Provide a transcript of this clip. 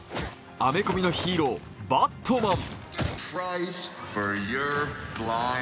アメコミのヒーロー、「バットマン」。